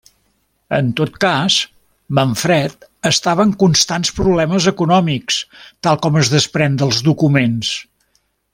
En tot cas, Manfred estava en constants problemes econòmics, tal com es desprèn dels documents.